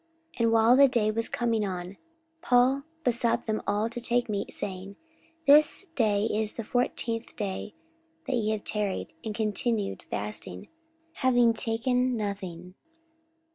44:027:033 And while the day was coming on, Paul besought them all to take meat, saying, This day is the fourteenth day that ye have tarried and continued fasting, having taken nothing.